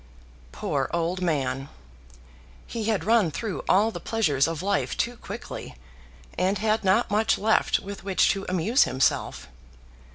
Poor old man! He had run through all the pleasures of life too quickly, and had not much left with which to amuse himself.